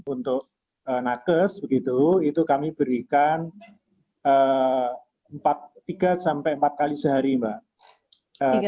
untuk nages itu kami berikan tiga empat kali sehari mbak